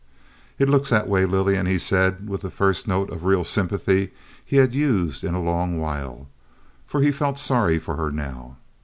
"It looks that way, Lillian," he said, with the first note of real sympathy he had used in a long while, for he felt sorry for her now.